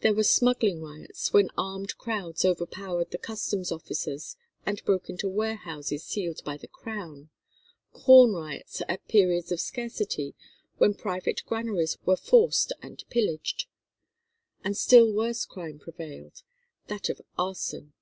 There were smuggling riots, when armed crowds overpowered the customs officers and broke into warehouses sealed by the Crown; corn riots at periods of scarcity, when private granaries were forced and pillaged. A still worse crime prevailed—that of arson.